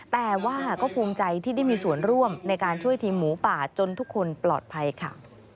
แต่ว่าก็ภูมิใจที่ได้มีส่วนร่วมในการช่วยทีมหมูป่าจนทุกคนปลอดภัยค่ะ